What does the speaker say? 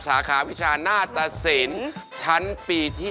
สาขาวิชานาฏศิลป์ชั้นปีที่๔